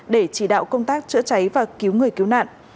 để chỉ đạo công tác chữa cháy và cứu người cứu nạn